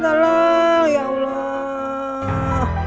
lelah ya allah